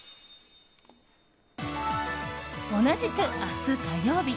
同じく明日、火曜日。